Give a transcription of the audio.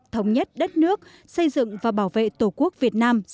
thống nhất đất nước xây dựng và bảo vệ tổ quốc việt nam